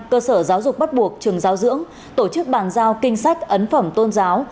cơ sở giáo dục bắt buộc trường giáo dưỡng tổ chức bàn giao kinh sách ấn phẩm tôn giáo